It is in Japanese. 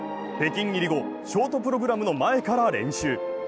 北京入り後、ショートプログラムの前から練習。